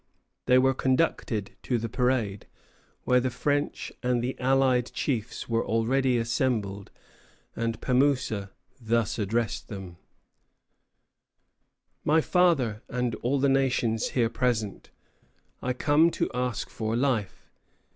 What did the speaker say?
They were conducted to the parade, where the French and the allied chiefs were already assembled, and Pemoussa thus addressed them: "My father, and all the nations here present, I come to ask for life.